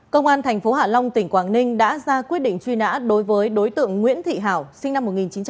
công an thành phố hạ long tỉnh quảng ninh đã ra quyết định truy nã đối với đối tượng nguyễn thị hảo sinh năm một nghìn chín trăm tám mươi